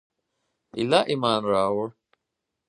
ایله ایمان راووړ.